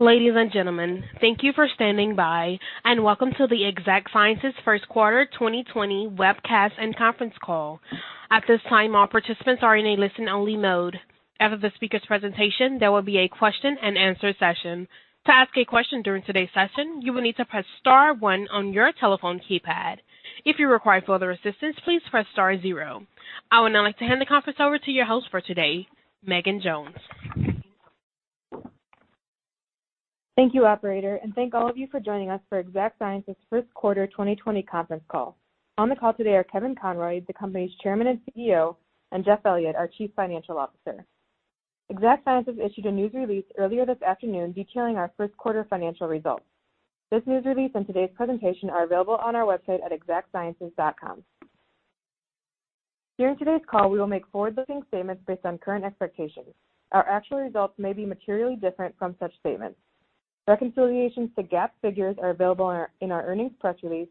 Ladies and gentlemen, thank you for standing by and welcome to the Exact Sciences first quarter 2020 webcast and conference call. At this time, all participants are in a listen-only mode. After the speaker's presentation, there will be a question-and-answer session. To ask a question during today's session, you will need to press star one on your telephone keypad. If you require further assistance, please press star zero. I would now like to hand the conference over to your host for today, Megan Jones. Thank you, operator, thank all of you for joining us for Exact Sciences' first quarter 2020 conference call. On the call today are Kevin Conroy, the company's Chairman and CEO, and Jeff Elliott, our Chief Financial Officer. Exact Sciences issued a news release earlier this afternoon detailing our first quarter financial results. This news release and today's presentation are available on our website at exactsciences.com. During today's call, we will make forward-looking statements based on current expectations. Our actual results may be materially different from such statements. Reconciliations to GAAP figures are available in our earnings press release,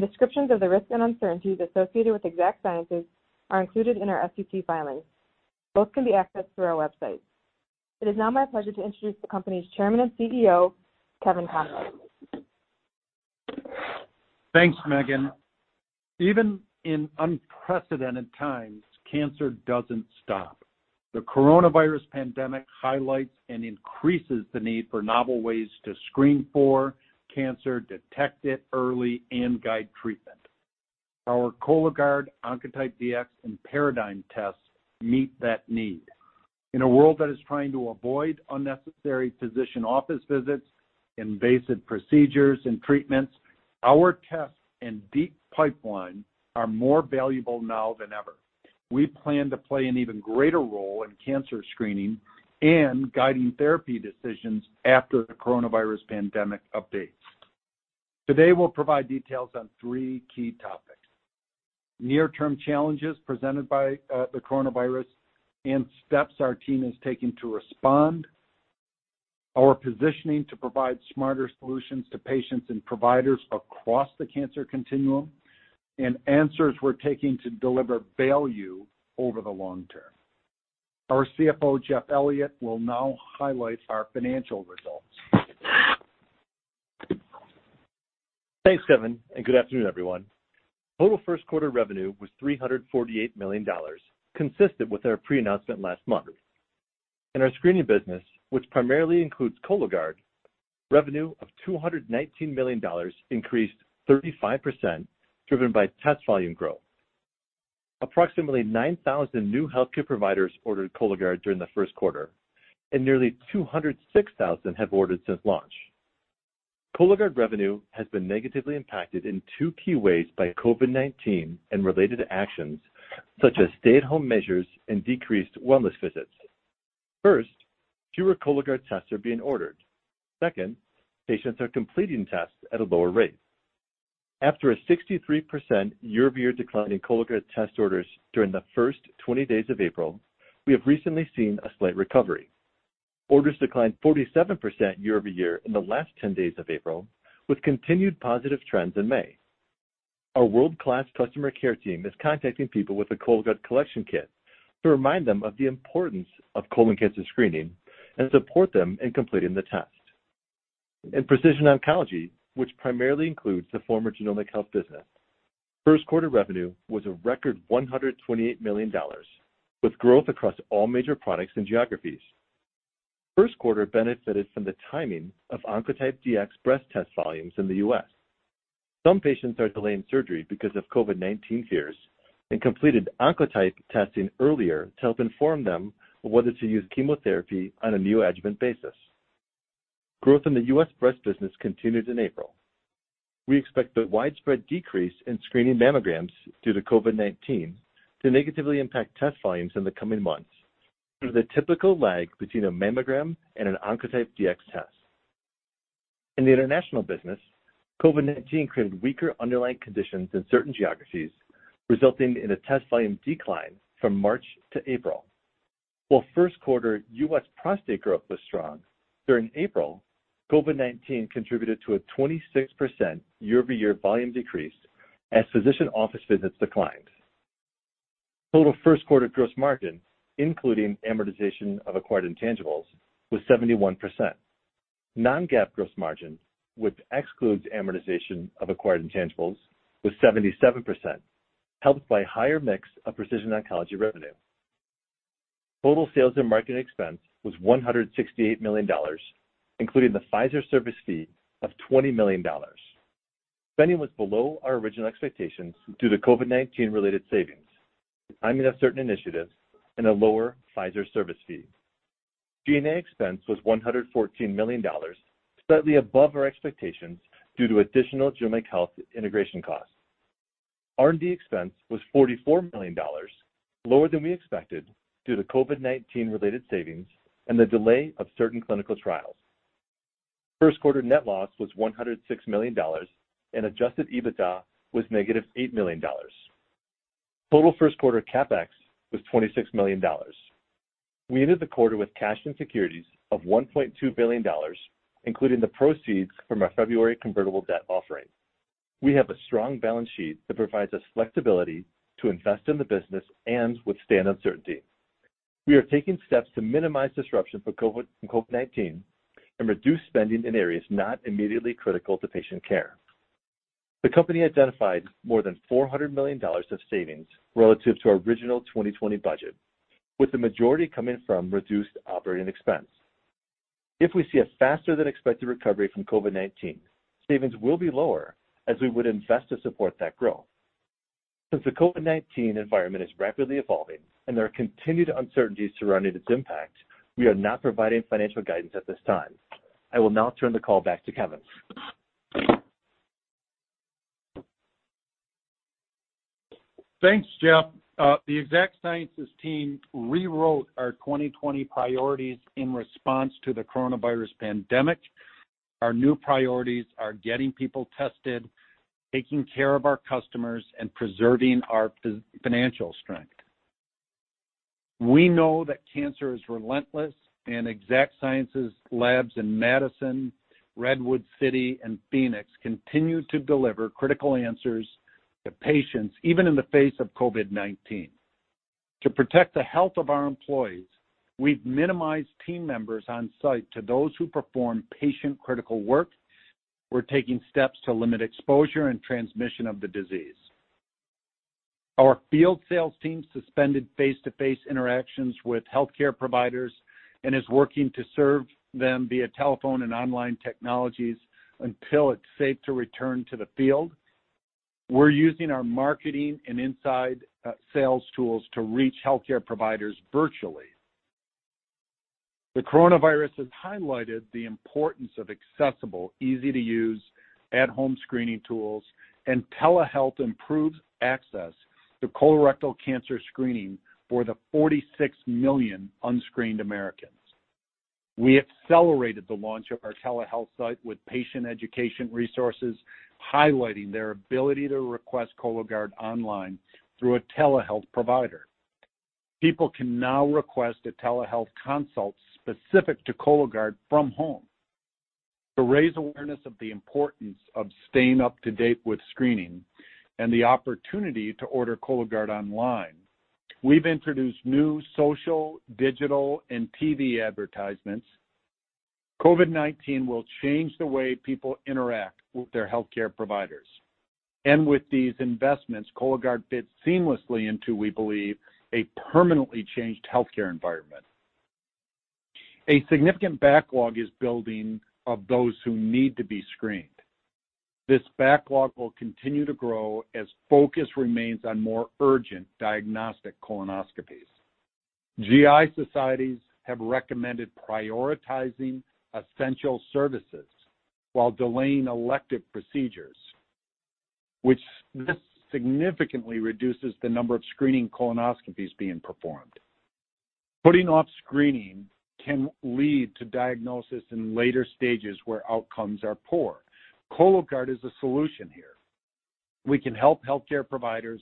descriptions of the risks and uncertainties associated with Exact Sciences are included in our SEC filings. Both can be accessed through our website. It is now my pleasure to introduce the company's Chairman and CEO, Kevin Conroy. Thanks, Megan. Even in unprecedented times, cancer doesn't stop. The coronavirus pandemic highlights and increases the need for novel ways to screen for cancer, detect it early, and guide treatment. Our Cologuard, Oncotype DX, and Paradigm tests meet that need. In a world that is trying to avoid unnecessary physician office visits, invasive procedures, and treatments, our tests and deep pipeline are more valuable now than ever. We plan to play an even greater role in cancer screening and guiding therapy decisions after the coronavirus pandemic abates. Today, we'll provide details on three key topics. Near-term challenges presented by the coronavirus and steps our team is taking to respond, our positioning to provide smarter solutions to patients and providers across the cancer continuum, and answers we're taking to deliver value over the long term. Our CFO, Jeff Elliott, will now highlight our financial results. Thanks, Kevin. Good afternoon, everyone. Total first quarter revenue was $348 million, consistent with our pre-announcement last month. In our screening business, which primarily includes Cologuard, revenue of $219 million increased 35%, driven by test volume growth. Approximately 9,000 new healthcare providers ordered Cologuard during the first quarter, nearly 206,000 have ordered since launch. Cologuard revenue has been negatively impacted in two key ways by COVID-19 and related actions, such as stay-at-home measures and decreased wellness visits. First, fewer Cologuard tests are being ordered. Second, patients are completing tests at a lower rate. After a 63% year-over-year decline in Cologuard test orders during the first 20 days of April, we have recently seen a slight recovery. Orders declined 47% year-over-year in the last 10 days of April, with continued positive trends in May. Our world-class customer care team is contacting people with a Cologuard collection kit to remind them of the importance of colon cancer screening and support them in completing the test. In Precision Oncology, which primarily includes the former Genomic Health business, first quarter revenue was a record $128 million, with growth across all major products and geographies. First quarter benefited from the timing of Oncotype DX breast test volumes in the U.S. Some patients are delaying surgery because of COVID-19 fears and completed Oncotype testing earlier to help inform them whether to use chemotherapy on a neoadjuvant basis. Growth in the U.S. breast business continued in April. We expect the widespread decrease in screening mammograms due to COVID-19 to negatively impact test volumes in the coming months due to the typical lag between a mammogram and an Oncotype DX test. In the international business, COVID-19 created weaker underlying conditions in certain geographies, resulting in a test volume decline from March to April. While first quarter U.S. prostate growth was strong, during April, COVID-19 contributed to a 26% year-over-year volume decrease as physician office visits declined. Total first quarter gross margin, including amortization of acquired intangibles, was 71%. Non-GAAP gross margin, which excludes amortization of acquired intangibles, was 77%, helped by higher mix of Precision Oncology revenue. Total sales and marketing expense was $168 million, including the Pfizer service fee of $20 million. Spending was below our original expectations due to COVID-19 related savings, the timing of certain initiatives, and a lower Pfizer service fee. G&A expense was $114 million, slightly above our expectations due to additional Genomic Health integration costs. R&D expense was $44 million, lower than we expected due to COVID-19 related savings and the delay of certain clinical trials. First quarter net loss was $106 million, and adjusted EBITDA was -$8 million. Total first quarter CapEx was $26 million. We ended the quarter with cash and securities of $1.2 billion, including the proceeds from our February convertible debt offering. We have a strong balance sheet that provides us flexibility to invest in the business and withstand uncertainty. We are taking steps to minimize disruption from COVID-19 and reduce spending in areas not immediately critical to patient care. The company identified more than $400 million of savings relative to our original 2020 budget, with the majority coming from reduced operating expense. If we see a faster than expected recovery from COVID-19, savings will be lower as we would invest to support that growth. Since the COVID-19 environment is rapidly evolving and there are continued uncertainties surrounding its impact, we are not providing financial guidance at this time. I will now turn the call back to Kevin. Thanks, Jeff. The Exact Sciences team rewrote our 2020 priorities in response to the coronavirus pandemic. Our new priorities are getting people tested, taking care of our customers, and preserving our financial strength. We know that cancer is relentless. Exact Sciences labs in Madison, Redwood City, and Phoenix continue to deliver critical answers to patients, even in the face of COVID-19. To protect the health of our employees, we've minimized team members on site to those who perform patient-critical work. We're taking steps to limit exposure and transmission of the disease. Our field sales team suspended face-to-face interactions with healthcare providers and is working to serve them via telephone and online technologies until it's safe to return to the field. We're using our marketing and inside sales tools to reach healthcare providers virtually. The coronavirus has highlighted the importance of accessible, easy-to-use, at-home screening tools, and telehealth improves access to colorectal cancer screening for the 46 million unscreened Americans. We accelerated the launch of our telehealth site with patient education resources, highlighting their ability to request Cologuard online through a telehealth provider. People can now request a telehealth consult specific to Cologuard from home. To raise awareness of the importance of staying up to date with screening and the opportunity to order Cologuard online, we've introduced new social, digital, and TV advertisements. COVID-19 will change the way people interact with their healthcare providers. With these investments, Cologuard fits seamlessly into, we believe, a permanently changed healthcare environment. A significant backlog is building of those who need to be screened. This backlog will continue to grow as focus remains on more urgent diagnostic colonoscopies. GI societies have recommended prioritizing essential services while delaying elective procedures. This significantly reduces the number of screening colonoscopies being performed. Putting off screening can lead to diagnosis in later stages where outcomes are poor. Cologuard is a solution here. We can help healthcare providers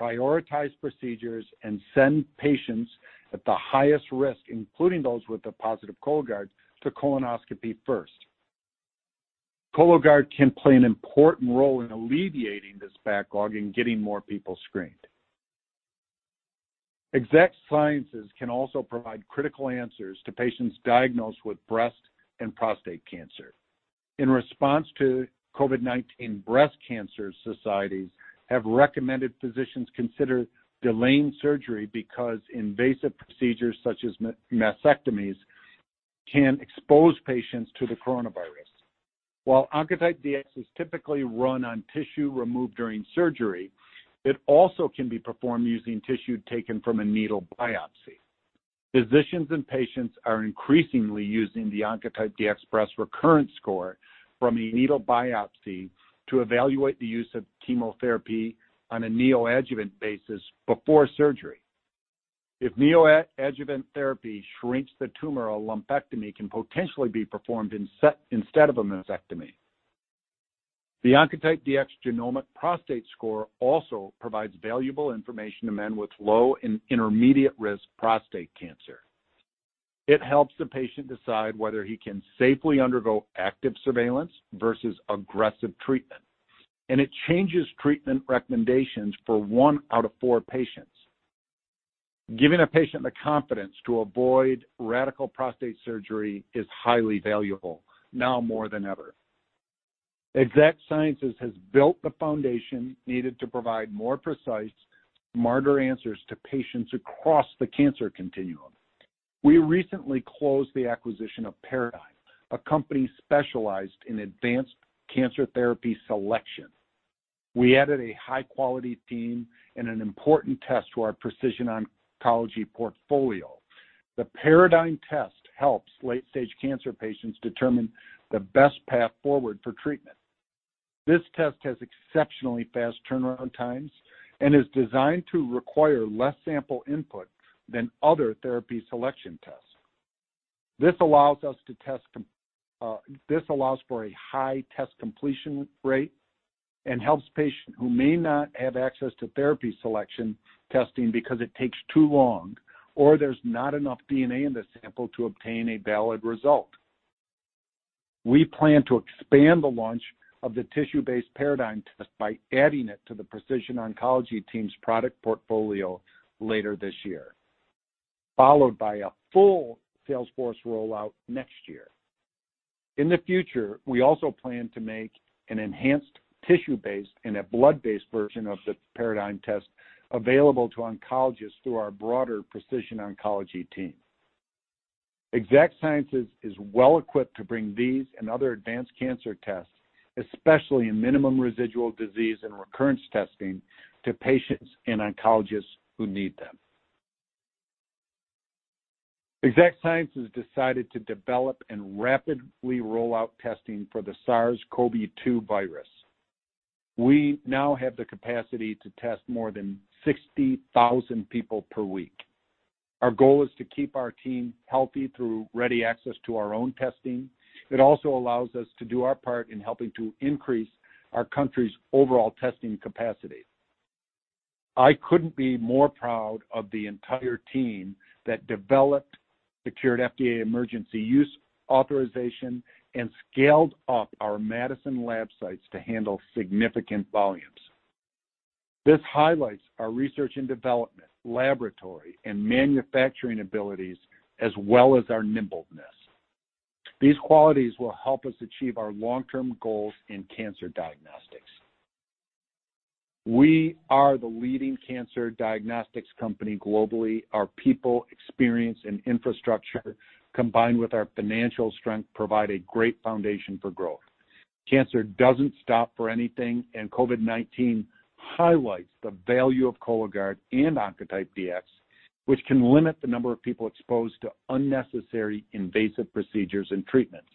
prioritize procedures and send patients at the highest risk, including those with a positive Cologuard, to colonoscopy first. Cologuard can play an important role in alleviating this backlog and getting more people screened. Exact Sciences can also provide critical answers to patients diagnosed with breast and prostate cancer. In response to COVID-19, breast cancer societies have recommended physicians consider delaying surgery because invasive procedures such as mastectomies can expose patients to the coronavirus. While Oncotype DX is typically run on tissue removed during surgery, it also can be performed using tissue taken from a needle biopsy. Physicians and patients are increasingly using the Oncotype DX Breast Recurrence Score from a needle biopsy to evaluate the use of chemotherapy on a neoadjuvant basis before surgery. If neoadjuvant therapy shrinks the tumor, a lumpectomy can potentially be performed instead of a mastectomy. The Oncotype DX Genomic Prostate Score also provides valuable information to men with low and intermediate risk prostate cancer. It helps the patient decide whether he can safely undergo active surveillance versus aggressive treatment, and it changes treatment recommendations for one out of four patients. Giving a patient the confidence to avoid radical prostate surgery is highly valuable, now more than ever. Exact Sciences has built the foundation needed to provide more precise, smarter answers to patients across the cancer continuum. We recently closed the acquisition of Paradigm, a company specialized in advanced cancer therapy selection. We added a high-quality team and an important test to our Precision Oncology portfolio. The Paradigm test helps late-stage cancer patients determine the best path forward for treatment. This test has exceptionally fast turnaround times and is designed to require less sample input than other therapy selection tests. This allows for a high test completion rate and helps patients who may not have access to therapy selection testing because it takes too long or there's not enough DNA in the sample to obtain a valid result. We plan to expand the launch of the tissue-based Paradigm test by adding it to the Precision Oncology team's product portfolio later this year, followed by a full sales force rollout next year. In the future, we also plan to make an enhanced tissue-based and a blood-based version of the Paradigm test available to oncologists through our broader Precision Oncology team. Exact Sciences is well-equipped to bring these and other advanced cancer tests, especially in minimum residual disease and recurrence testing, to patients and oncologists who need them. Exact Sciences decided to develop and rapidly roll out testing for the SARS-CoV-2 virus. We now have the capacity to test more than 60,000 people per week. Our goal is to keep our team healthy through ready access to our own testing. It also allows us to do our part in helping to increase our country's overall testing capacity. I couldn't be more proud of the entire team that developed, secured FDA emergency use authorization, and scaled up our Madison lab sites to handle significant volumes. This highlights our research and development, laboratory, and manufacturing abilities, as well as our nimbleness. These qualities will help us achieve our long-term goals in cancer diagnostics. We are the leading cancer diagnostics company globally. Our people, experience, and infrastructure, combined with our financial strength, provide a great foundation for growth. Cancer doesn't stop for anything. COVID-19 highlights the value of Cologuard and Oncotype DX, which can limit the number of people exposed to unnecessary invasive procedures and treatments.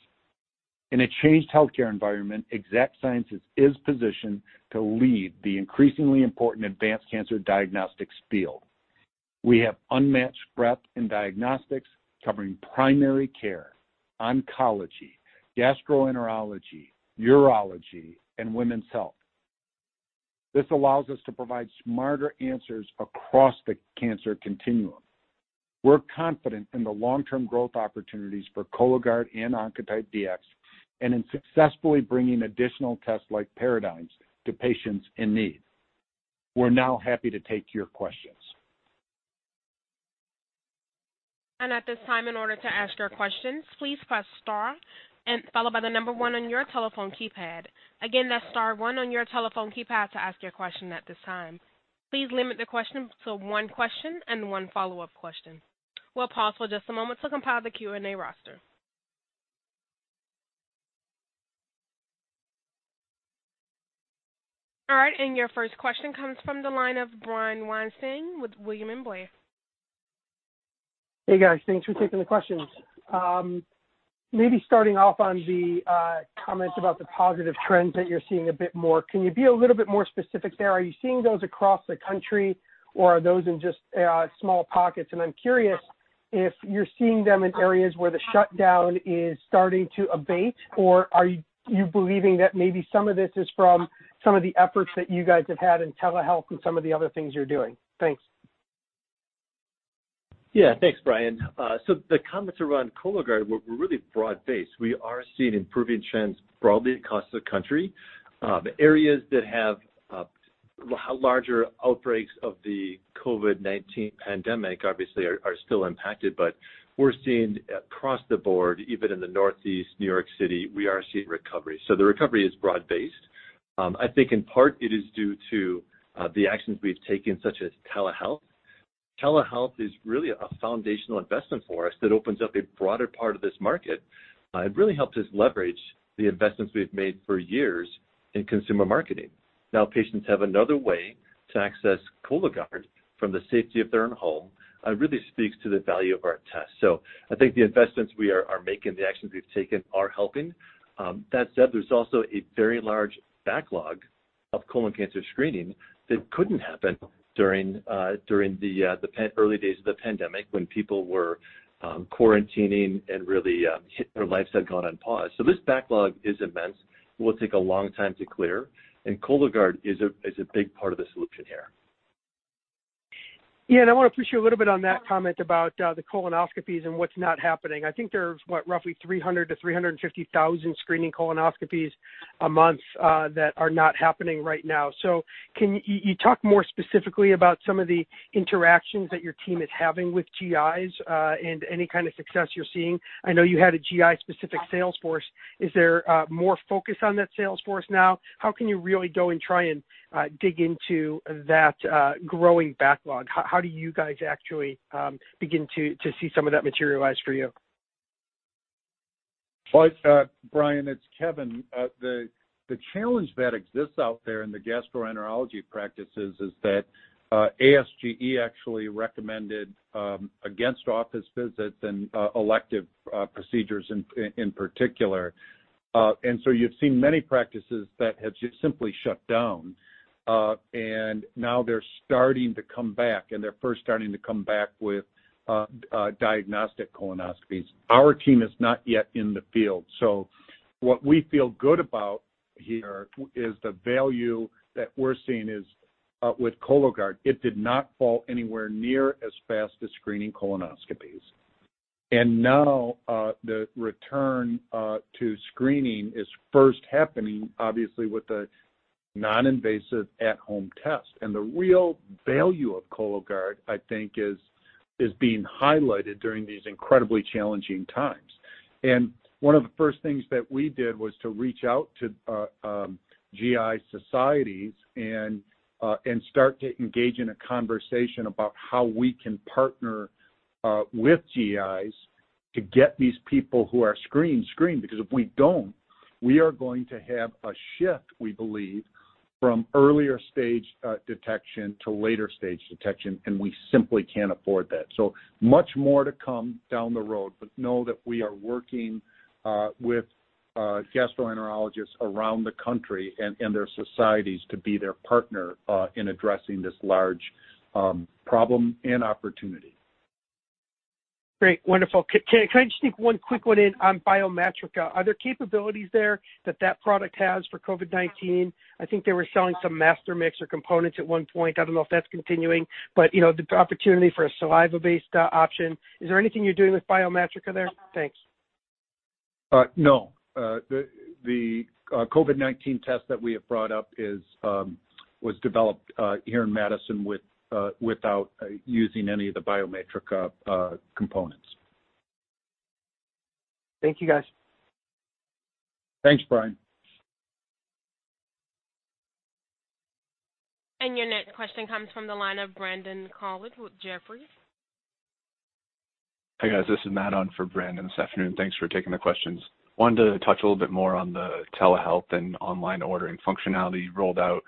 In a changed healthcare environment, Exact Sciences is positioned to lead the increasingly important advanced cancer diagnostics field. We have unmatched breadth in diagnostics covering primary care, oncology, gastroenterology, urology, and women's health. This allows us to provide smarter answers across the cancer continuum. We're confident in the long-term growth opportunities for Cologuard and Oncotype DX, and in successfully bringing additional tests like Paradigm to patients in need. We're now happy to take your questions. At this time, in order to ask your questions, please press star and followed by the number one on your telephone keypad. Again, that's star one on your telephone keypad to ask your question at this time. Please limit the question to one question and one follow-up question. We'll pause for just a moment to compile the Q&A roster. All right, your first question comes from the line of Brian Weinstein with William Blair. Hey, guys. Thanks for taking the questions. Maybe starting off on the comments about the positive trends that you're seeing a bit more. Can you be a little bit more specific there? Are you seeing those across the country or are those in just small pockets? I'm curious if you're seeing them in areas where the shutdown is starting to abate, or are you believing that maybe some of this is from some of the efforts that you guys have had in telehealth and some of the other things you're doing? Thanks. Yeah. Thanks, Brian. The comments around Cologuard were really broad-based. We are seeing improving trends broadly across the country. The areas that have larger outbreaks of the COVID-19 pandemic, obviously, are still impacted, but we're seeing across the board, even in the northeast, New York City, we are seeing recovery. The recovery is broad-based. I think in part it is due to the actions we've taken, such as telehealth. Telehealth is really a foundational investment for us that opens up a broader part of this market. It really helps us leverage the investments we've made for years in consumer marketing. Now patients have another way to access Cologuard from the safety of their own home. It really speaks to the value of our test. I think the investments we are making, the actions we've taken are helping. That said, there's also a very large backlog of colon cancer screening that couldn't happen during the early days of the pandemic when people were quarantining and really their lives had gone on pause. This backlog is immense. It will take a long time to clear, and Cologuard is a big part of the solution here. Yeah, I want to push you a little bit on that comment about the colonoscopies and what's not happening. I think there's, what, roughly 300,000-350,000 screening colonoscopies a month that are not happening right now. Can you talk more specifically about some of the interactions that your team is having with GIs, and any kind of success you're seeing? I know you had a GI specific sales force. Is there more focus on that sales force now? How can you really go and try and dig into that growing backlog? How do you guys actually begin to see some of that materialize for you? Brian, it's Kevin. The challenge that exists out there in the gastroenterology practices is that ASGE actually recommended against office visits and elective procedures in particular. You've seen many practices that have just simply shut down. Now they're starting to come back, and they're first starting to come back with diagnostic colonoscopies. Our team is not yet in the field. What we feel good about here is the value that we're seeing is With Cologuard, it did not fall anywhere near as fast as screening colonoscopies. Now, the return to screening is first happening obviously with a non-invasive at-home test. The real value of Cologuard, I think is being highlighted during these incredibly challenging times. One of the first things that we did was to reach out to GI societies and start to engage in a conversation about how we can partner with GIs to get these people who are screened. If we don't, we are going to have a shift, we believe, from earlier stage detection to later stage detection, and we simply can't afford that. Much more to come down the road, but know that we are working with gastroenterologists around the country and their societies to be their partner in addressing this large problem and opportunity. Great. Wonderful. Can I just sneak one quick one in on Biomatrica? Are there capabilities there that that product has for COVID-19? I think they were selling some master mix or components at one point. I don't know if that's continuing, but the opportunity for a saliva-based option, is there anything you're doing with Biomatrica there? Thanks. No. The COVID-19 test that we have brought up was developed here in Madison without using any of the Biomatrica components. Thank you, guys. Thanks, Brian. Your next question comes from the line of Brandon Couillard with Jefferies. Hey, guys. This is Matt on for Brandon this afternoon. Thanks for taking the questions. Wanted to touch a little bit more on the telehealth and online ordering functionality rolled out.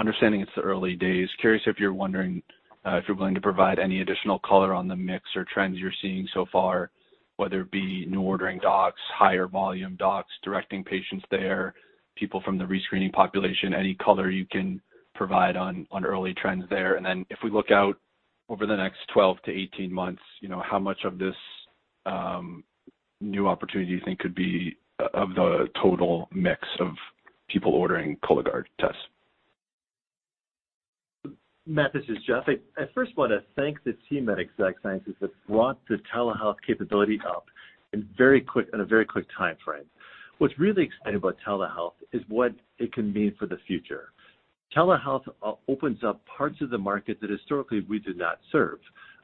Understanding it's the early days, curious if you're wondering if you're willing to provide any additional color on the mix or trends you're seeing so far, whether it be new ordering docs, higher volume docs directing patients there, people from the re-screening population, any color you can provide on early trends there. If we look out over the next 12-18 months, how much of this new opportunity you think could be of the total mix of people ordering Cologuard tests? Matt, this is Jeff. I first want to thank the team at Exact Sciences that brought the telehealth capability up in a very quick timeframe. What's really exciting about telehealth is what it can mean for the future. Telehealth opens up parts of the market that historically we did not serve.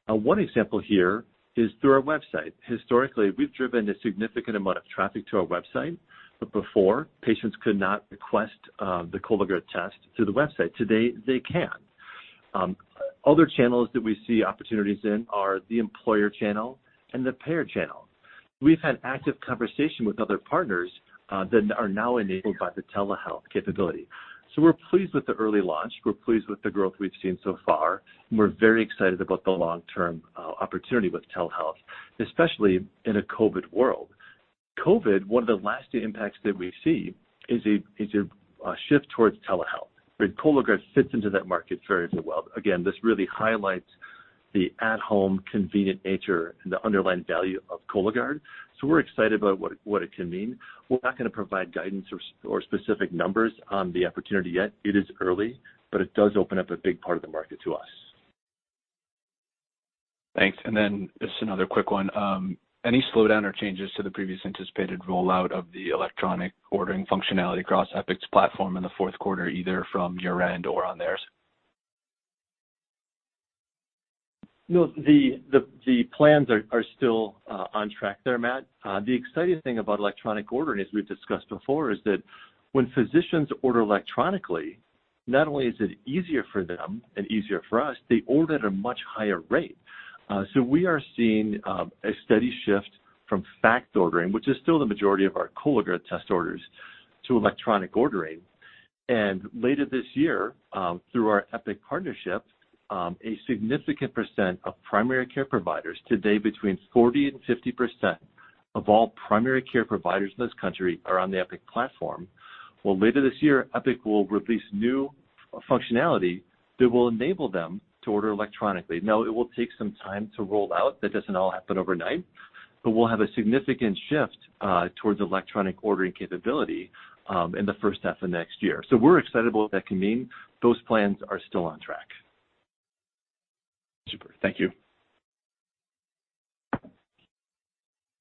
One example here is through our website. Historically, we've driven a significant amount of traffic to our website, but before, patients could not request the Cologuard test through the website. Today, they can. Other channels that we see opportunities in are the employer channel and the payer channel. We've had active conversation with other partners that are now enabled by the telehealth capability. We're pleased with the early launch. We're pleased with the growth we've seen so far, and we're very excited about the long-term opportunity with telehealth, especially in a COVID world. COVID, one of the lasting impacts that we see is a shift towards telehealth. Cologuard fits into that market very, very well. Again, this really highlights the at-home convenient nature and the underlying value of Cologuard. We're excited about what it can mean. We're not going to provide guidance or specific numbers on the opportunity yet. It is early, it does open up a big part of the market to us. Thanks. Then just another quick one. Any slowdown or changes to the previous anticipated rollout of the electronic ordering functionality across Epic's platform in the fourth quarter, either from your end or on theirs? No, the plans are still on track there, Matt. The exciting thing about electronic ordering, as we've discussed before, is that when physicians order electronically, not only is it easier for them and easier for us, they order at a much higher rate. We are seeing a steady shift from faxed ordering, which is still the majority of our Cologuard test orders, to electronic ordering. Later this year, through our Epic partnership, a significant percent of primary care providers, today between 40% and 50% of all primary care providers in this country are on the Epic platform. Later this year, Epic will release new functionality that will enable them to order electronically. It will take some time to roll out. That doesn't all happen overnight. We'll have a significant shift towards electronic ordering capability in the first half of next year. We're excited about what that can mean. Those plans are still on track. Super. Thank you.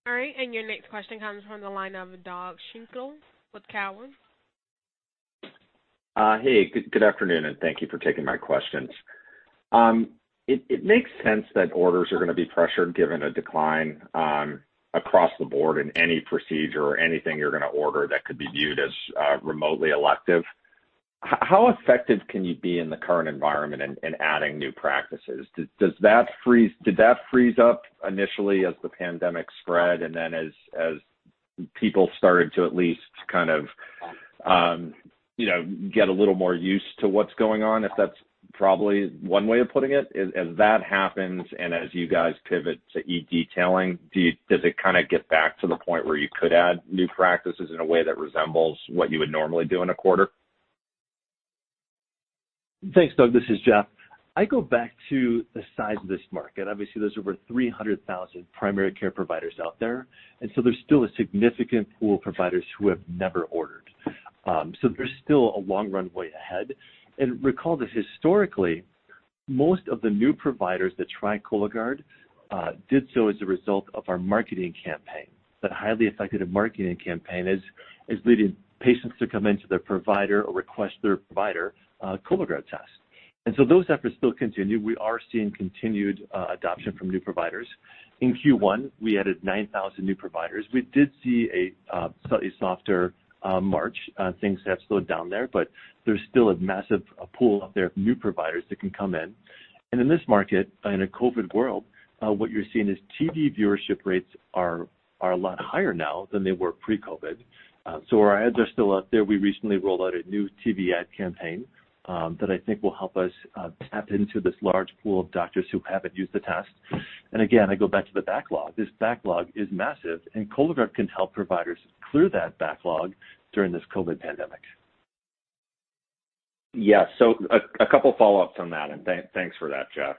All right, your next question comes from the line of Doug Schenkel with Cowen. Hey, good afternoon, and thank you for taking my questions. It makes sense that orders are going to be pressured given a decline across the board in any procedure or anything you're going to order that could be viewed as remotely elective. How effective can you be in the current environment in adding new practices? Did that freeze up initially as the pandemic spread and then as people started to at least kind of get a little more used to what's going on, if that's probably one way of putting it? As that happens and as you guys pivot to e-detailing, does it kind of get back to the point where you could add new practices in a way that resembles what you would normally do in a quarter? Thanks, Doug. This is Jeff. I go back to the size of this market. Obviously, there's over 300,000 primary care providers out there. There's still a significant pool of providers who have never ordered. There's still a long runway ahead. Recall that historically, most of the new providers that try Cologuard did so as a result of our marketing campaign. That highly effective marketing campaign is leading patients to come into their provider or request their provider Cologuard test. Those efforts still continue. We are seeing continued adoption from new providers. In Q1, we added 9,000 new providers. We did see a slightly softer March. Things have slowed down there, but there's still a massive pool out there of new providers that can come in. In this market, in a COVID world, what you're seeing is TV viewership rates are a lot higher now than they were pre-COVID. Our ads are still out there. We recently rolled out a new TV ad campaign that I think will help us tap into this large pool of doctors who haven't used the test. Again, I go back to the backlog. This backlog is massive, and Cologuard can help providers clear that backlog during this COVID-19 pandemic. Yeah. A couple follow-ups on that, and thanks for that, Jeff.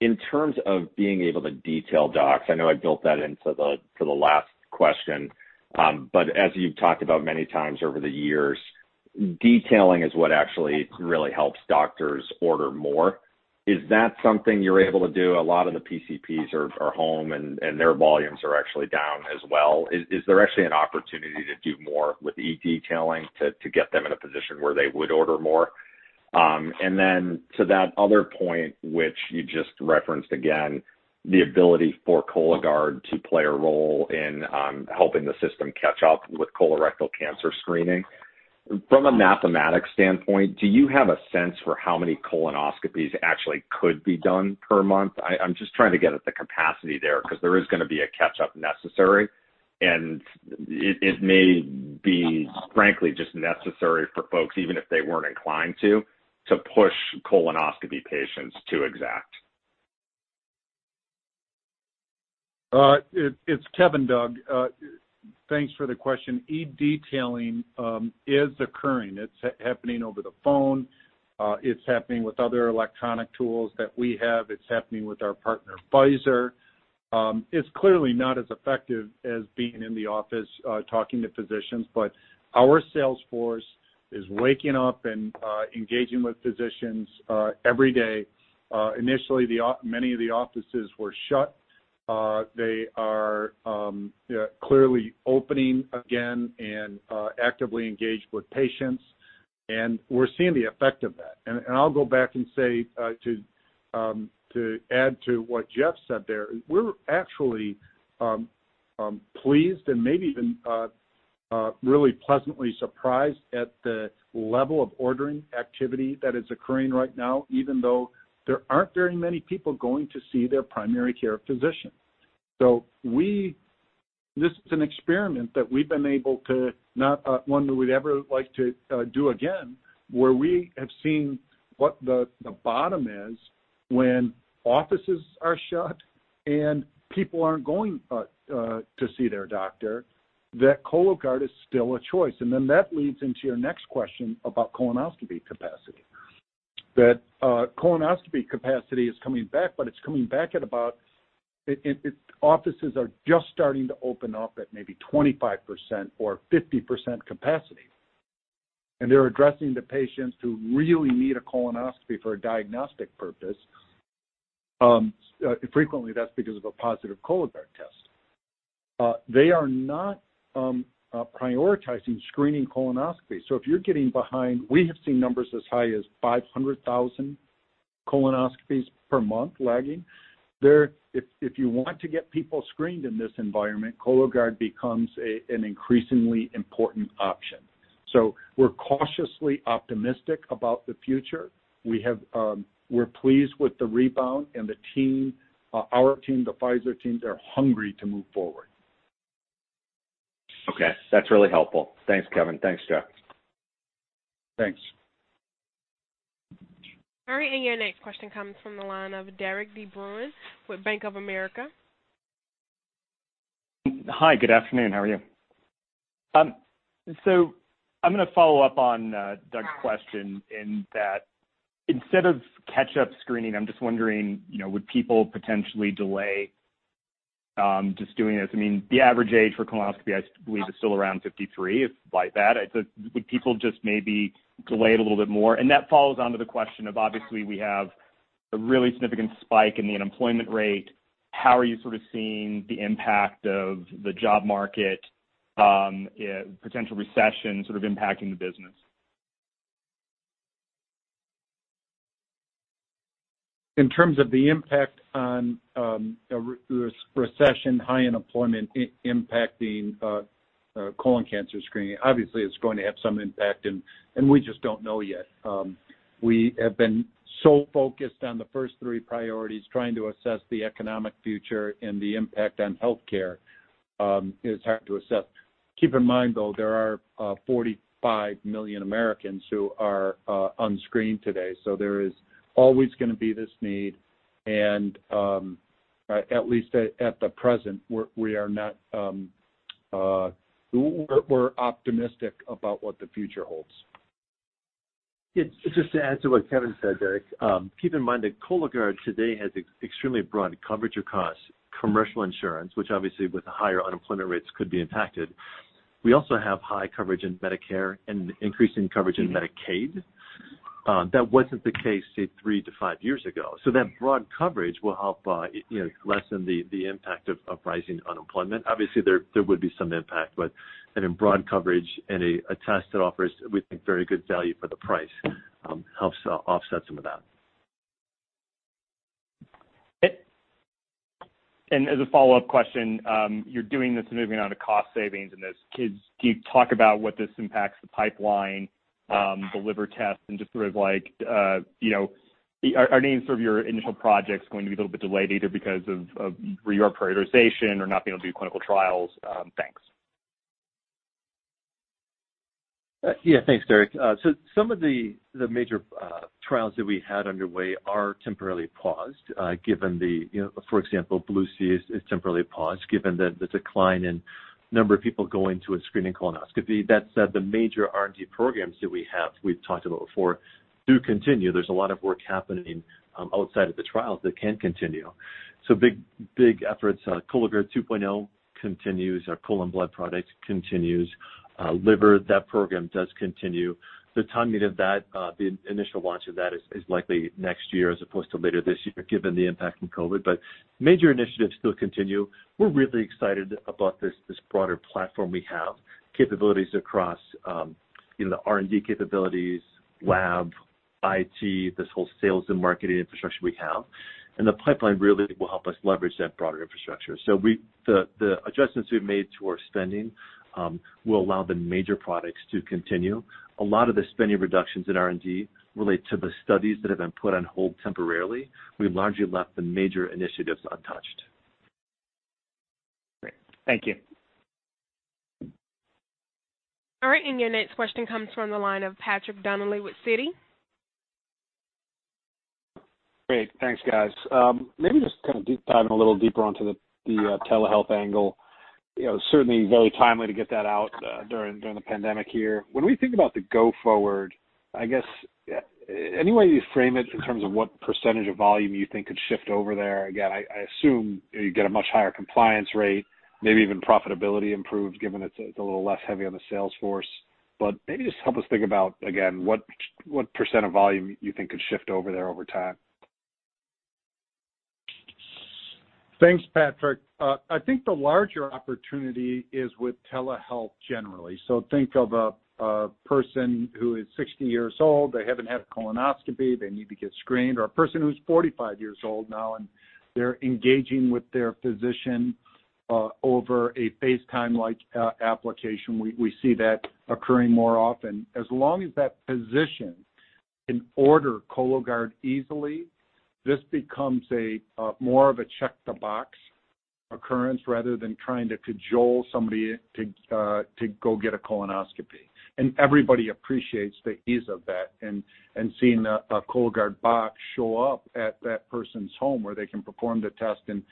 In terms of being able to detail docs, I know I built that into the last question, but as you've talked about many times over the years, detailing is what actually really helps doctors order more. Is that something you're able to do? A lot of the PCPs are home, and their volumes are actually down as well. Is there actually an opportunity to do more with e-detailing to get them in a position where they would order more? To that other point, which you just referenced again, the ability for Cologuard to play a role in helping the system catch up with colorectal cancer screening. From a mathematics standpoint, do you have a sense for how many colonoscopies actually could be done per month? I'm just trying to get at the capacity there, because there is going to be a catch-up necessary, and it may be, frankly, just necessary for folks, even if they weren't inclined to push colonoscopy patients to Exact. It's Kevin, Doug. Thanks for the question. E-detailing is occurring. It's happening over the phone. It's happening with other electronic tools that we have. It's happening with our partner, Pfizer. It's clearly not as effective as being in the office talking to physicians, but our sales force is waking up and engaging with physicians every day. Initially, many of the offices were shut. They are clearly opening again and actively engaged with patients, we're seeing the effect of that. I'll go back and say, to add to what Jeff said there, we're actually pleased and maybe even really pleasantly surprised at the level of ordering activity that is occurring right now, even though there aren't very many people going to see their primary care physician. This is an experiment that we've been able to, not one that we'd ever like to do again, where we have seen what the bottom is when offices are shut and people aren't going to see their doctor, that Cologuard is still a choice. That leads into your next question about colonoscopy capacity. Colonoscopy capacity is coming back, but it's coming back at about Offices are just starting to open up at maybe 25% or 50% capacity. They're addressing the patients who really need a colonoscopy for a diagnostic purpose. Frequently, that's because of a positive Cologuard test. They are not prioritizing screening colonoscopy. If you're getting behind, we have seen numbers as high as 500,000 colonoscopies per month lagging. If you want to get people screened in this environment, Cologuard becomes an increasingly important option. We're cautiously optimistic about the future. We're pleased with the rebound and the team, our team, the Pfizer teams are hungry to move forward. Okay. That's really helpful. Thanks, Kevin. Thanks, Jeff. Thanks. All right. Your next question comes from the line of Derik de Bruin with Bank of America. Hi. Good afternoon. How are you? I'm going to follow up on Doug's question in that instead of catch-up screening, I'm just wondering, would people potentially delay just doing this? The average age for colonoscopy, I believe, is still around 53. It's like that. Would people just maybe delay it a little bit more? That follows on to the question of, obviously, we have a really significant spike in the unemployment rate. How are you sort of seeing the impact of the job market, potential recession sort of impacting the business? In terms of the impact on recession, high unemployment impacting colon cancer screening, obviously, it's going to have some impact, and we just don't know yet. We have been so focused on the first three priorities, trying to assess the economic future and the impact on healthcare is hard to assess. Keep in mind, though, there are 45 million Americans who are unscreened today, so there is always going to be this need, and at least at the present, we're optimistic about what the future holds. Just to add to what Kevin said, Derik, keep in mind that Cologuard today has extremely broad coverage across commercial insurance, which obviously with the higher unemployment rates could be impacted. We also have high coverage in Medicare and increasing coverage in Medicaid. That wasn't the case three to five years ago. That broad coverage will help lessen the impact of rising unemployment. Obviously, there would be some impact, but having broad coverage and a test that offers, we think, very good value for the price helps offset some of that. As a follow-up question, you're doing this and moving on to cost savings. Can you talk about what this impacts the pipeline, the liver test, and just sort of are any of your initial projects going to be a little bit delayed, either because of your prioritization or not being able to do clinical trials? Thanks. Thanks, Derik. Some of the major trials that we had underway are temporarily paused. For example, BLUE-C is temporarily paused given the decline in the number of people going to a screening colonoscopy. That said, the major R&D programs that we have, we've talked about before, do continue. There's a lot of work happening outside of the trials that can continue. Big efforts. Cologuard 2.0 continues. Our colon blood product continues. Liver, that program does continue. The timing of the initial launch of that is likely next year as opposed to later this year, given the impact from COVID. Major initiatives still continue. We're really excited about this broader platform we have, capabilities across the R&D capabilities, lab, IT, this whole sales and marketing infrastructure we have. The pipeline really will help us leverage that broader infrastructure. The adjustments we've made to our spending will allow the major products to continue. A lot of the spending reductions in R&D relate to the studies that have been put on hold temporarily. We've largely left the major initiatives untouched. Great. Thank you. All right. Your next question comes from the line of Patrick Donnelly with Citi. Great. Thanks, guys. Maybe just kind of diving a little deeper onto the telehealth angle. Certainly very timely to get that out during the pandemic here. When we think about the go forward, I guess, any way you frame it in terms of what percentage of volume you think could shift over there? Again, I assume you get a much higher compliance rate, maybe even profitability improves given it's a little less heavy on the sales force. Maybe just help us think about, again, what percent of volume you think could shift over there over time. Thanks, Patrick. I think the larger opportunity is with telehealth generally. Think of a person who is 60 years old. They haven't had a colonoscopy. They need to get screened. A person who's 45 years old now and they're engaging with their physician over a FaceTime-like application. We see that occurring more often. As long as that physician can order Cologuard easily, this becomes more of a check the box occurrence rather than trying to cajole somebody to go get a colonoscopy. Everybody appreciates the ease of that and seeing a Cologuard box show up at that person's home where they can perform the test and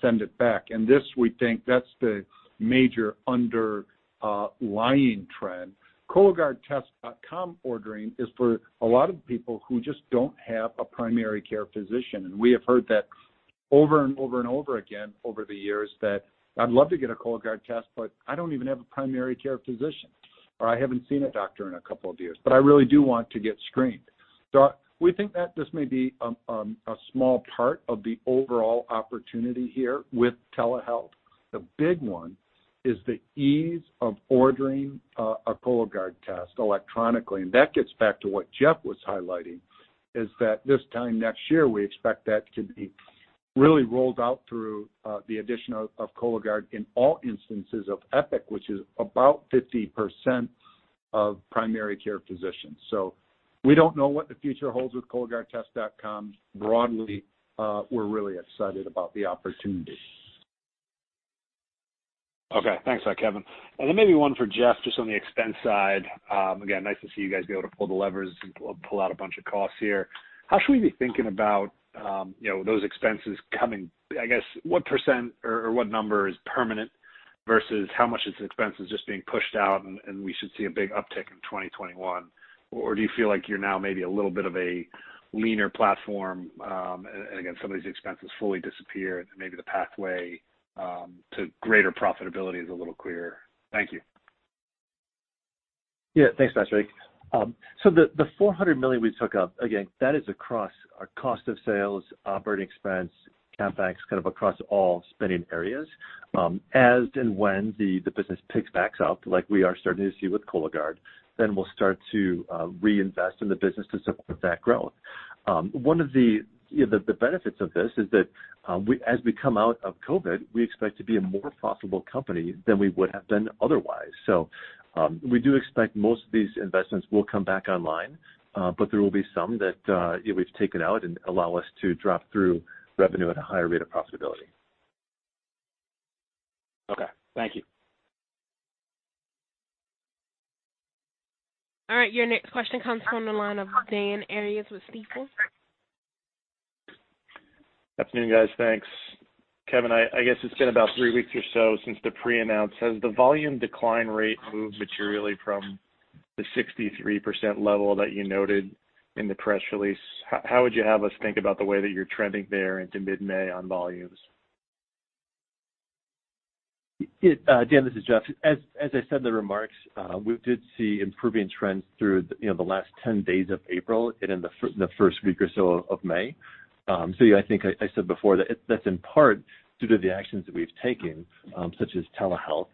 send it back. This, we think, that's the major underlying trend. cologuardtest.com ordering is for a lot of people who just don't have a primary care physician. We have heard that over and over and over again over the years that I'd love to get a Cologuard test, but I don't even have a primary care physician, or I haven't seen a doctor in a couple of years, but I really do want to get screened. We think that this may be a small part of the overall opportunity here with telehealth. The big one is the ease of ordering a Cologuard test electronically, and that gets back to what Jeff was highlighting, is that this time next year, we expect that to be really rolled out through the addition of Cologuard in all instances of Epic, which is about 50% of primary care physicians. We don't know what the future holds with cologuardtest.com. Broadly, we're really excited about the opportunity. Okay. Thanks, Kevin. Maybe one for Jeff, just on the expense side. Again, nice to see you guys be able to pull the levers and pull out a bunch of costs here. How should we be thinking about those expenses? I guess, what percent or what number is permanent versus how much of this expense is just being pushed out and we should see a big uptick in 2021? Do you feel like you're now maybe a little bit of a leaner platform, and again, some of these expenses fully disappear and maybe the pathway to greater profitability is a little clearer? Thank you. Yeah. Thanks, Patrick. The $400 million we took out, again, that is across our cost of sales, operating expense, CapEx, kind of across all spending areas. As and when the business picks back up, like we are starting to see with Cologuard, then we'll start to reinvest in the business to support that growth. One of the benefits of this is that as we come out of COVID, we expect to be a more profitable company than we would have been otherwise. We do expect most of these investments will come back online. There will be some that we've taken out and allow us to drop through revenue at a higher rate of profitability. Okay. Thank you. All right. Your next question comes from the line of Dan Arias with Stifel. Afternoon, guys. Thanks. Kevin, I guess it's been about three weeks or so since the pre-announce. Has the volume decline rate moved materially from the 63% level that you noted in the press release? How would you have us think about the way that you're trending there into mid-May on volumes? Dan, this is Jeff. As I said in the remarks, we did see improving trends through the last 10 days of April and in the first week or so of May. I think I said before that that's in part due to the actions that we've taken, such as telehealth,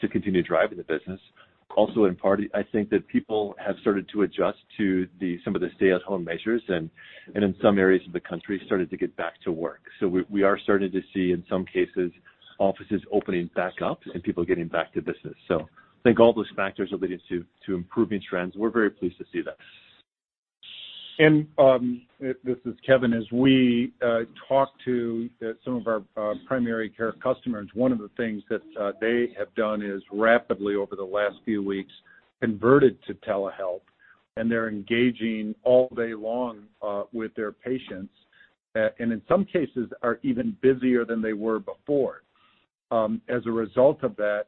to continue driving the business. Also, in part, I think that people have started to adjust to some of the stay-at-home measures and in some areas of the country, started to get back to work. We are starting to see, in some cases, offices opening back up and people getting back to business. I think all those factors are leading to improving trends. We're very pleased to see that. This is Kevin. As we talk to some of our primary care customers, one of the things that they have done is rapidly, over the last few weeks, converted to telehealth, and they're engaging all day long with their patients. In some cases, are even busier than they were before. As a result of that,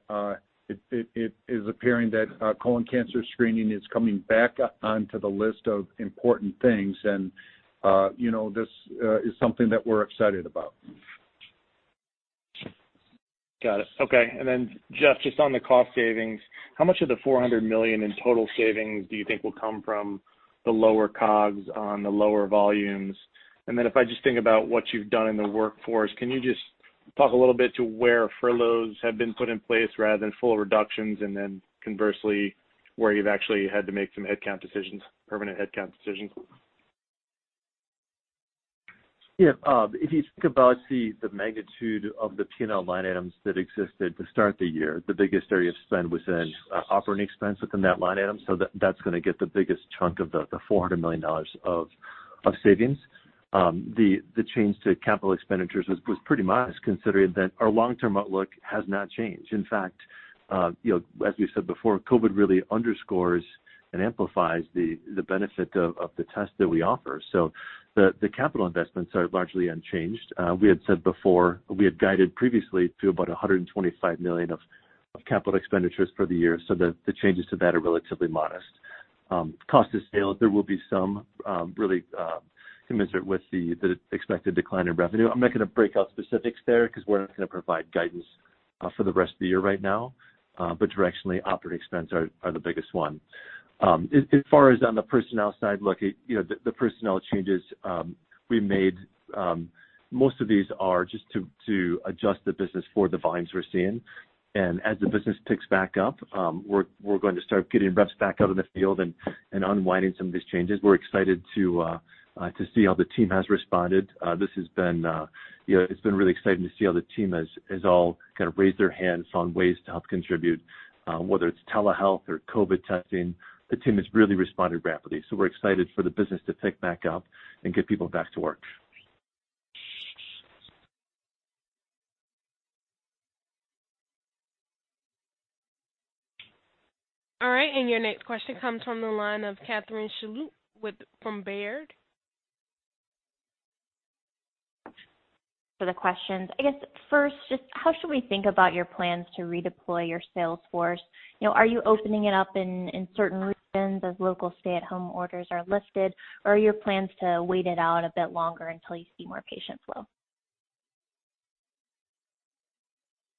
it is appearing that colon cancer screening is coming back onto the list of important things and this is something that we're excited about. Got it. Okay. Jeff, just on the cost savings, how much of the $400 million in total savings do you think will come from the lower COGS on the lower volumes? If I just think about what you've done in the workforce, can you just talk a little bit to where furloughs have been put in place rather than full reductions, and then conversely, where you've actually had to make some headcount decisions, permanent headcount decisions? Yeah. If you think about the magnitude of the P&L line items that existed to start the year, the biggest area of spend was in operating expense within that line item. That's going to get the biggest chunk of the $400 million of savings. The change to capital expenditures was pretty modest, considering that our long-term outlook has not changed. In fact, as we've said before, COVID really underscores and amplifies the benefit of the test that we offer. The capital investments are largely unchanged. We had said before, we had guided previously to about $125 million of capital expenditures for the year, so the changes to that are relatively modest. Cost of sales, there will be some really commensurate with the expected decline in revenue. I'm not going to break out specifics there because we're not going to provide guidance for the rest of the year right now. Directionally, OpEx are the biggest one. As far as on the personnel side, look, the personnel changes we made, most of these are just to adjust the business for the volumes we're seeing. As the business picks back up, we're going to start getting reps back out in the field and unwinding some of these changes. We're excited to see how the team has responded. It's been really exciting to see how the team has all kind of raised their hands on ways to help contribute. Whether it's telehealth or COVID-19 testing, the team has really responded rapidly. We're excited for the business to pick back up and get people back to work. All right. Your next question comes from the line of Catherine Schulte from Baird. For the questions. First, just how should we think about your plans to redeploy your sales force? Are you opening it up in certain regions as local stay-at-home orders are lifted, or are your plans to wait it out a bit longer until you see more patients flow?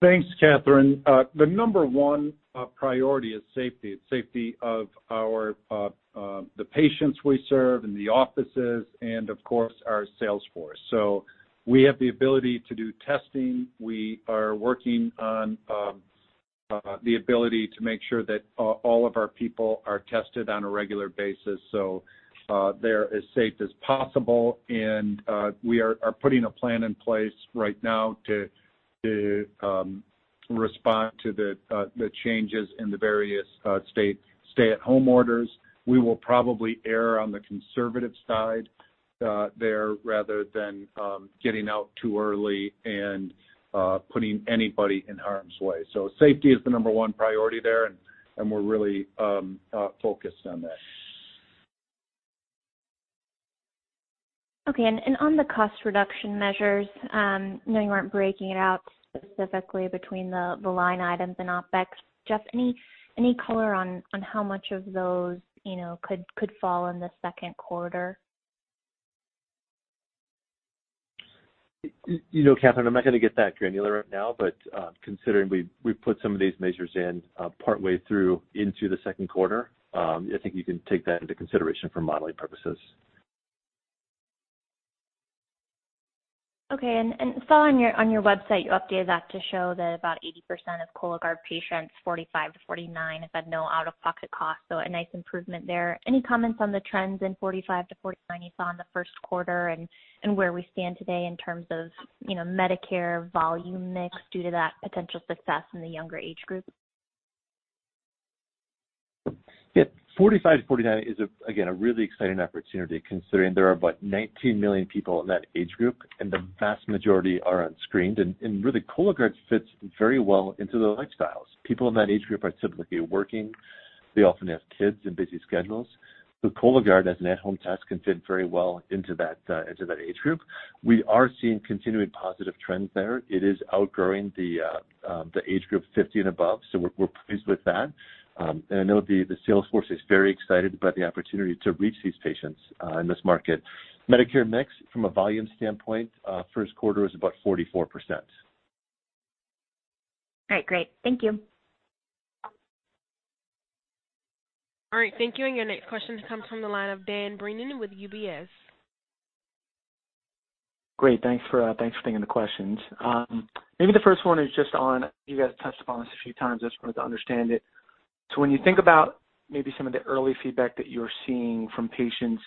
Thanks, Catherine. The number one priority is safety. It's safety of the patients we serve and the offices and, of course, our sales force. We have the ability to do testing. We are working on the ability to make sure that all of our people are tested on a regular basis so they're as safe as possible. We are putting a plan in place right now to respond to the changes in the various state stay-at-home orders. We will probably err on the conservative side there rather than getting out too early and putting anybody in harm's way. Safety is the number one priority there, and we're really focused on that. Okay. On the cost reduction measures, knowing you weren't breaking it out specifically between the line items and OpEx, Jeff, any color on how much of those could fall in the second quarter? Catherine, I'm not going to get that granular right now, but considering we put some of these measures in partway through into the second quarter, I think you can take that into consideration for modeling purposes. Okay. Saw on your website, you updated that to show that about 80% of Cologuard patients 45-49 have had no out-of-pocket cost. A nice improvement there. Any comments on the trends in 45-49 you saw in the first quarter and where we stand today in terms of Medicare volume mix due to that potential success in the younger age group? 45-49 is, again, a really exciting opportunity considering there are about 19 million people in that age group, and the vast majority are unscreened. Cologuard fits very well into their lifestyles. People in that age group are typically working. They often have kids and busy schedules. Cologuard as an at-home test can fit very well into that age group. We are seeing continuing positive trends there. It is outgrowing the age group 50 and above, we're pleased with that. I know the sales force is very excited about the opportunity to reach these patients in this market. Medicare mix from a volume standpoint, first quarter is about 44%. All right, great. Thank you. All right, thank you. Your next question comes from the line of Dan Brennan with UBS. Great. Thanks for taking the questions. Maybe the first one is just on, you guys touched upon this a few times, I just wanted to understand it. When you think about maybe some of the early feedback that you're seeing from patients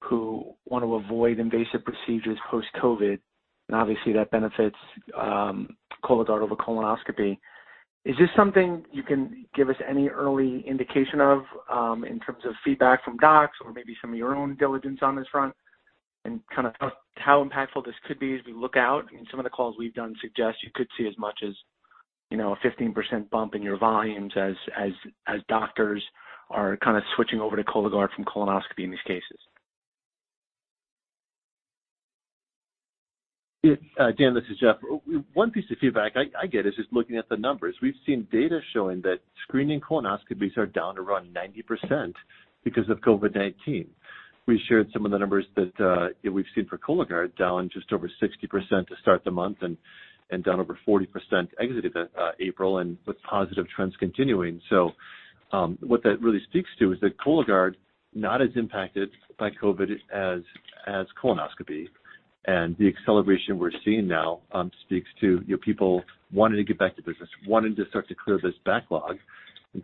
who want to avoid invasive procedures post-COVID, and obviously that benefits Cologuard over colonoscopy, is this something you can give us any early indication of in terms of feedback from docs or maybe some of your own diligence on this front? How impactful this could be as we look out? I mean, some of the calls we've done suggest you could see as much as a 15% bump in your volumes as doctors are kind of switching over to Cologuard from colonoscopy in these cases. Dan, this is Jeff. One piece of feedback I get is just looking at the numbers. We've seen data showing that screening colonoscopies are down to around 90% because of COVID-19. We shared some of the numbers that we've seen for Cologuard, down just over 60% to start the month and down over 40% exiting April, with positive trends continuing. What that really speaks to is that Cologuard, not as impacted by COVID as colonoscopy. The acceleration we're seeing now speaks to people wanting to get back to business, wanting to start to clear this backlog.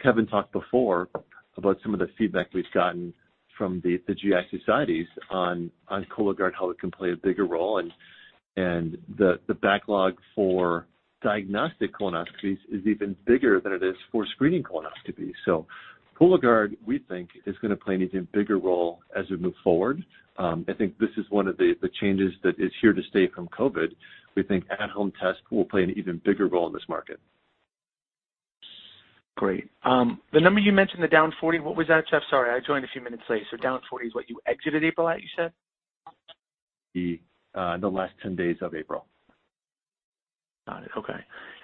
Kevin talked before about some of the feedback we've gotten from the GI societies on Cologuard, how it can play a bigger role. The backlog for diagnostic colonoscopies is even bigger than it is for screening colonoscopies. Cologuard, we think, is going to play an even bigger role as we move forward. I think this is one of the changes that is here to stay from COVID-19. We think at-home test will play an even bigger role in this market. Great. The number you mentioned, the down 40%, what was that, Jeff? Sorry, I joined a few minutes late. Down 40% is what you exited April at, you said? The last 10 days of April. Got it. Okay.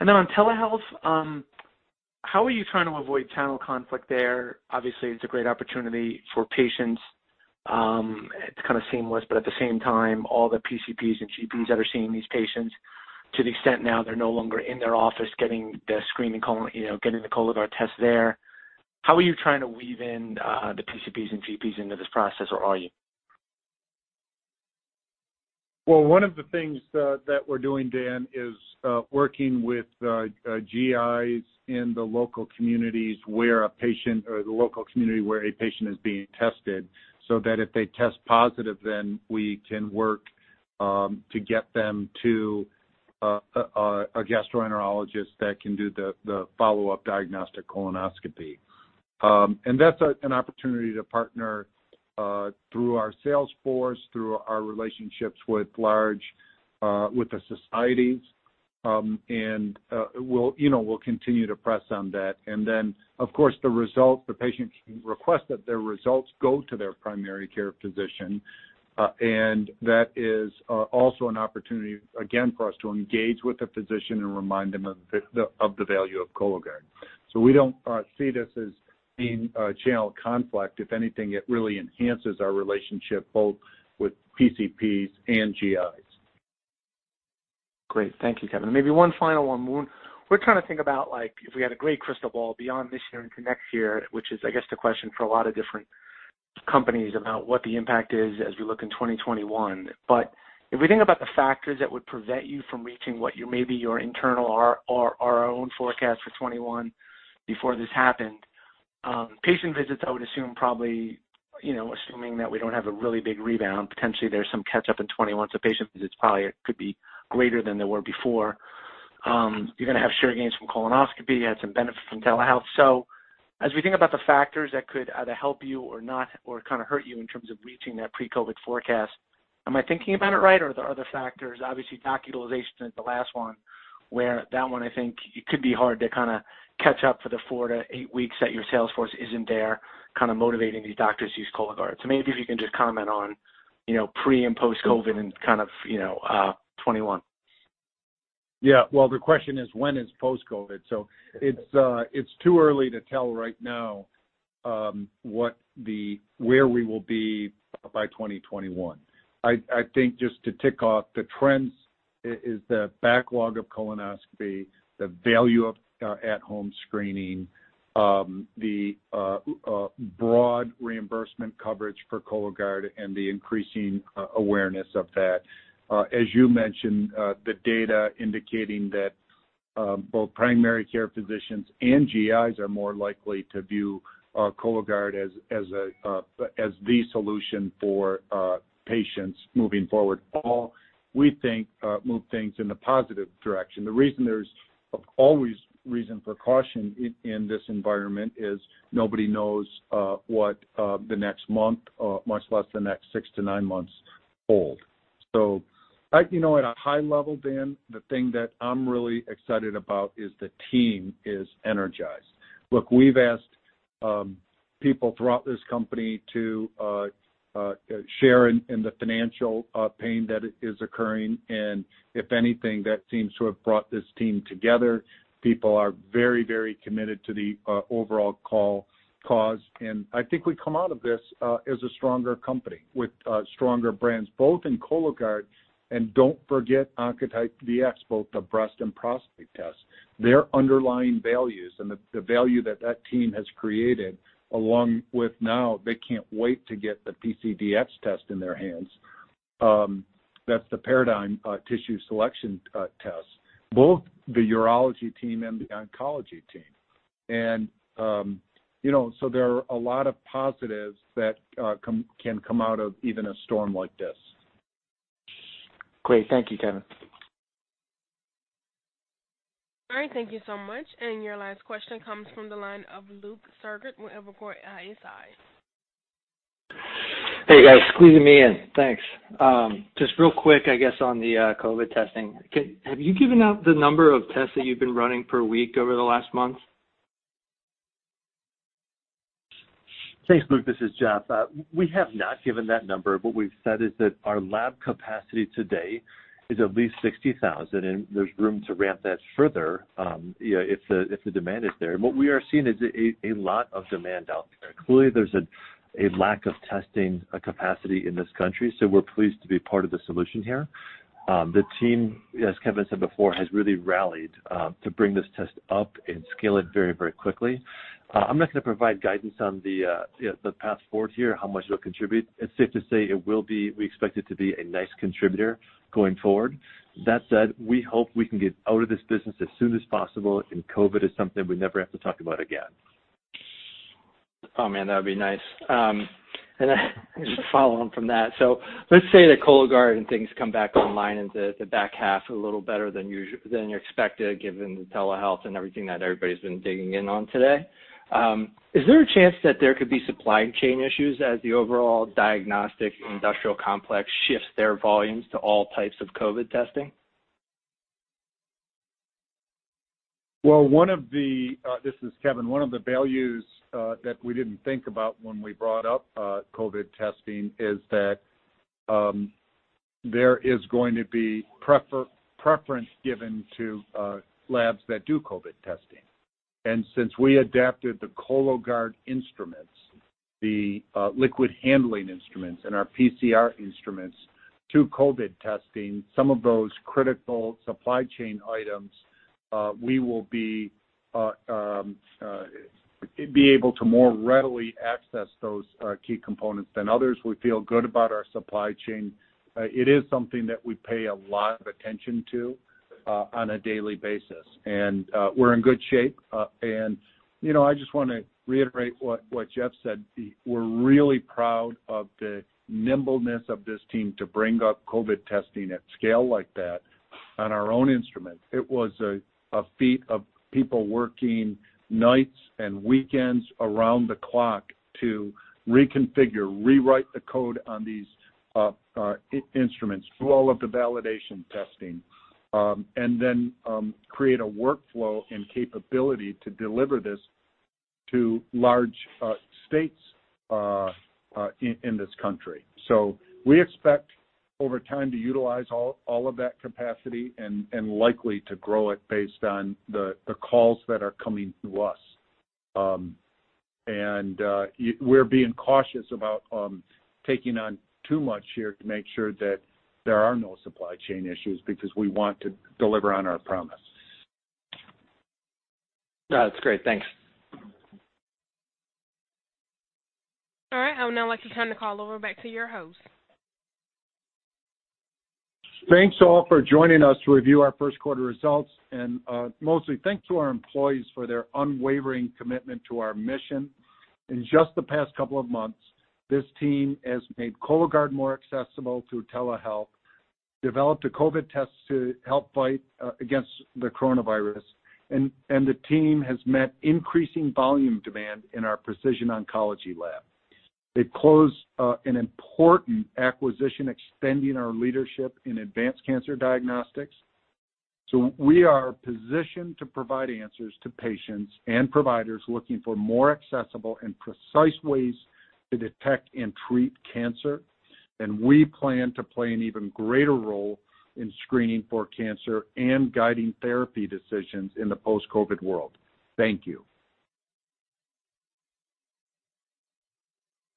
On telehealth, how are you trying to avoid channel conflict there? Obviously, it's a great opportunity for patients. It's kind of seamless, but at the same time, all the PCPs and GPs that are seeing these patients, to the extent now they're no longer in their office getting the Cologuard test there. How are you trying to weave in the PCPs and GPs into this process, or are you? One of the things that we're doing, Dan, is working with GIs in the local communities where a patient is being tested, so that if they test positive, then we can work to get them to a gastroenterologist that can do the follow-up diagnostic colonoscopy. That's an opportunity to partner through our sales force, through our relationships with the societies. We'll continue to press on that. Then, of course, the patient can request that their results go to their primary care physician. That is also an opportunity, again, for us to engage with the physician and remind them of the value of Cologuard. We don't see this as being a channel conflict. If anything, it really enhances our relationship both with PCPs and GIs. Great. Thank you, Kevin. Maybe one final one. We're trying to think about if we had a great crystal ball beyond this year and connect here, which is, I guess, the question for a lot of different companies about what the impact is as we look in 2021. If we think about the factors that would prevent you from reaching what maybe your internal or our own forecast for 2021 before this happened. Patient visits, I would assume probably, assuming that we don't have a really big rebound, potentially there's some catch-up in 2021, so patient visits probably could be greater than they were before. You're going to have share gains from colonoscopy. You had some benefit from telehealth. As we think about the factors that could either help you or not, or kind of hurt you in terms of reaching that pre-COVID forecast, am I thinking about it right, or are there other factors? Obviously, doc utilization is the last one, where that one, I think it could be hard to catch up for the four to eight weeks that your sales force isn't there kind of motivating these doctors to use Cologuard. Maybe if you can just comment on pre- and post-COVID and kind of 2021. Yeah. Well, the question is when is post-COVID? It's too early to tell right now where we will be by 2021. I think just to tick off the trends is the backlog of colonoscopy, the value of at-home screening, the broad reimbursement coverage for Cologuard, and the increasing awareness of that. As you mentioned, the data indicating that both primary care physicians and GIs are more likely to view Cologuard as the solution for patients moving forward. All, we think, move things in a positive direction. The reason there's always reason for caution in this environment is nobody knows what the next month, much less the next six to nine months hold. At a high level, Dan, the thing that I'm really excited about is the team is energized. Look, we've asked people throughout this company to share in the financial pain that is occurring, and if anything, that seems to have brought this team together. People are very committed to the overall cause. I think we come out of this as a stronger company with stronger brands, both in Cologuard, and don't forget Oncotype DX, both the breast and prostate tests. Their underlying values and the value that that team has created, along with now they can't wait to get the PCDx test in their hands. That's the Paradigm tissue selection test, both the urology team and the oncology team. There are a lot of positives that can come out of even a storm like this. Great. Thank you, Kevin. All right. Thank you so much. Your last question comes from the line of Luke Sergott with Evercore ISI. Hey, guys. Squeezing me in. Thanks. Just real quick, I guess, on the COVID-19 testing. Have you given out the number of tests that you've been running per week over the last month? Thanks, Luke. This is Jeff. We have not given that number. What we've said is that our lab capacity to date is at least 60,000, and there's room to ramp that further if the demand is there. What we are seeing is a lot of demand out there. Clearly, there's a lack of testing capacity in this country, so we're pleased to be part of the solution here. The team, as Kevin said before, has really rallied to bring this test up and scale it very quickly. I'm not going to provide guidance on the path forward here, how much it'll contribute. It's safe to say we expect it to be a nice contributor going forward. That said, we hope we can get out of this business as soon as possible. COVID is something we never have to talk about again. Oh, man, that would be nice. Just following from that. Let's say that Cologuard and things come back online in the back half a little better than you expected, given the telehealth and everything that everybody's been digging in on today. Is there a chance that there could be supply chain issues as the overall diagnostic industrial complex shifts their volumes to all types of COVID testing? Well, this is Kevin. One of the values that we didn't think about when we brought up COVID testing is that there is going to be preference given to labs that do COVID testing. Since we adapted the Cologuard instruments, the liquid handling instruments, and our PCR instruments to COVID testing, some of those critical supply chain items, we will be able to more readily access those key components than others. We feel good about our supply chain. It is something that we pay a lot of attention to on a daily basis, and we're in good shape. I just want to reiterate what Jeff said. We're really proud of the nimbleness of this team to bring up COVID testing at scale like that on our own instrument. It was a feat of people working nights and weekends around the clock to reconfigure, rewrite the code on these instruments, through all of the validation testing, and then create a workflow and capability to deliver this to large states in this country. We expect over time to utilize all of that capacity and likely to grow it based on the calls that are coming to us. We're being cautious about taking on too much here to make sure that there are no supply chain issues because we want to deliver on our promise. That's great. Thanks. All right. I would now like to turn the call over back to your host. Thanks, all, for joining us to review our first quarter results. Mostly thanks to our employees for their unwavering commitment to our mission. In just the past couple of months, this team has made Cologuard more accessible through telehealth, developed a COVID test to help fight against the coronavirus. The team has met increasing volume demand in our Precision Oncology lab. They've closed an important acquisition extending our leadership in advanced cancer diagnostics. We are positioned to provide answers to patients and providers looking for more accessible and precise ways to detect and treat cancer. We plan to play an even greater role in screening for cancer and guiding therapy decisions in the post-COVID world. Thank you.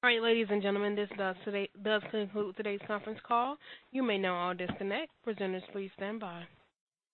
All right, ladies and gentlemen, this does conclude today's conference call. You may now all disconnect. Presenters, please stand by.